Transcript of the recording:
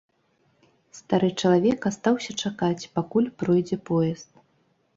Стары чалавек астаўся чакаць, пакуль пройдзе поезд.